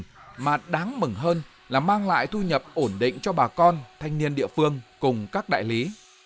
nhưng mà đáng mừng hơn là mang lại thu nhập ổn định cho bà con thanh niên địa phương cùng các đại lý